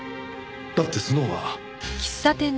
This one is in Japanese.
だってスノウは。